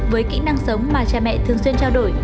với kỹ năng sống mà cha mẹ thường xuyên trao đổi